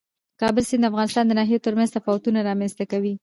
د کابل سیند د افغانستان د ناحیو ترمنځ تفاوتونه رامنځته کوي.